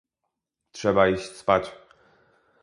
"Trzeba iść spać."